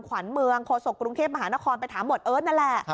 ขวัญเมืองโฆษกรุงเทพมหานครไปถามหมวดเอิร์ทนั่นแหละ